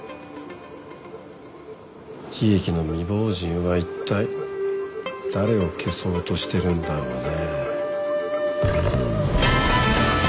悲劇の未亡人はいったい誰を消そうとしてるんだろうね。